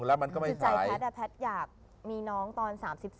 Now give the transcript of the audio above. และมันก็ไม่ท้ายใจแพทย์แพทย์อยากมีน้องตอน๓๔๓๕